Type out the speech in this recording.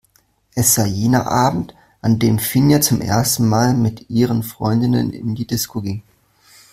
Es war jener Abend, an dem Finja zum ersten Mal mit ihren Freundinnen in die Disco ging.